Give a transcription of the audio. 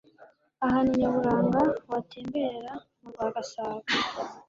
Ahantu nyaburanga watemberera mu rwa Gasabo